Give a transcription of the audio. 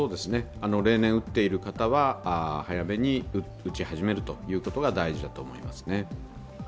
例年打っている方は早めに打ち始めるということが大事だと思いますね。